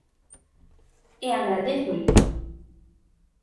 E agradézollo.